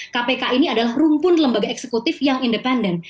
kpk ini adalah rumpun lembaga eksekutif yang independen